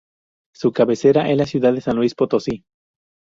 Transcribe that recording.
Su cabecera es la ciudad de San Luis Potosí.